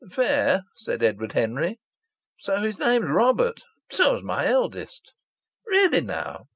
"Fair," said Edward Henry. "So his name's Robert! So's my eldest's!" "Really now!